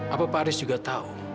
apa pak aris juga tahu